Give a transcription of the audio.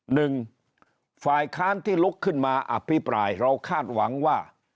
หนึ่งฝ่ายค้านที่ลุกขึ้นมาอภิปรายเราคาดหวังว่า